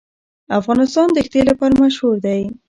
افغانستان د ښتې لپاره مشهور دی.